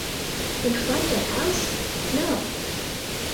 In front of house no.